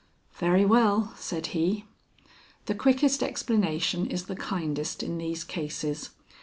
"Very well," said he. "The quickest explanation is the kindest in these cases.